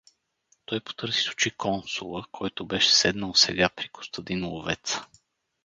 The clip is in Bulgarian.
Той потърси с очи Консула, който беше седнал сега при Костадин ловеца.